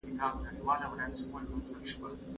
په جلال اباد کي کوم صنعتونه ډېر دي؟